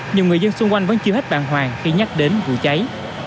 nhiều người dân xung quanh vẫn chưa hết bàng hoàng khi nhắc đến vụ cháy